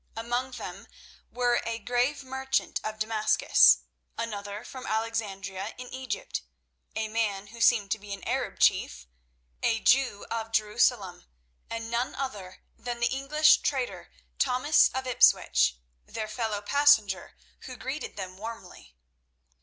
Among them were a grave merchant of Damascus, another from Alexandria in Egypt, a man who seemed to be an Arab chief, a Jew of Jerusalem, and none other than the English trader Thomas of Ipswich, their fellow passenger, who greeted them warmly.